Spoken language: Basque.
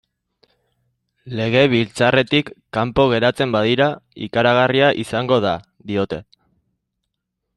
Legebiltzarretik kanpo geratzen badira, ikaragarria izango da, diote.